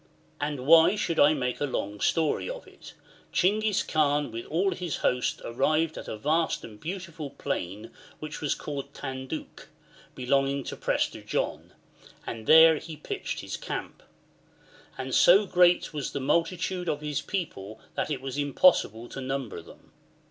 And why should I make a long story of it ? Chinghis Kaan with all his host arrived at a vast and beautiful plain which was called Tanduc, belonging to Prester John, and there he pitched his camp ; and so great was the multitude of his people that it was impossible to number them.